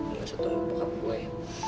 gak usah tunggu bokap gue